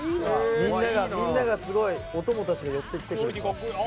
みんながすごいお供たちが寄ってきている。